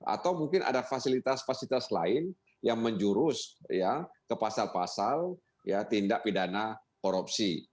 atau mungkin ada fasilitas fasilitas lain yang menjurus ke pasal pasal tindak pidana korupsi